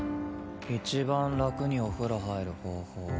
一番楽にお風呂入る方法。